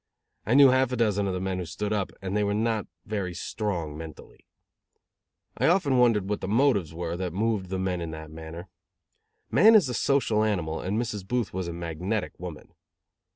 I knew half a dozen of the men who stood up, and they were not very strong mentally. I often wondered what the motives were that moved the men in that manner. Man is a social animal, and Mrs. Booth was a magnetic woman.